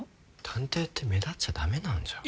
探偵って目立っちゃ駄目なんじゃ。